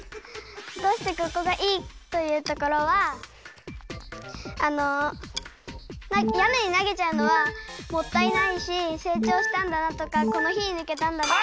どうしてここがいいというところはあのやねになげちゃうのはもったいないしせいちょうしたんだなとかこのひにぬけたんだなとか。